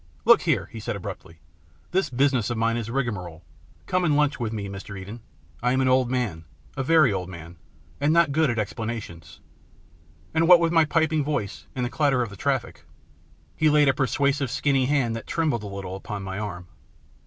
" Look here !" he said abruptly ;" this business of mine is a rigmarole. Come and lunch with me, Mr. Eden. I'm an old man, a very old man, and not good at explanations, and what with my piping voice and the clatter of the traffic " He laid a persuasive skinny hand that trembled a little upon my arm.